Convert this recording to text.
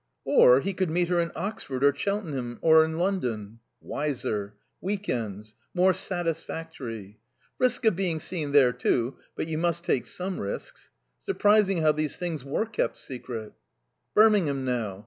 Or he could meet her in Oxford or Cheltenham or in London. Wiser. Week ends. More satisfactory. Risk of being seen there too, but you must take some risks. Surprising how these things were kept secret. Birmingham now.